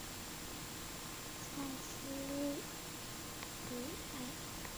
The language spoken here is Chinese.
莱斯普埃。